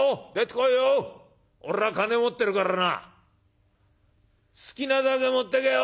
俺は金持ってるからな好きなだけ持ってけよ。